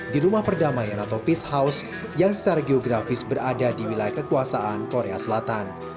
di rumah perdamaian atau peace house yang secara geografis berada di wilayah kekuasaan korea selatan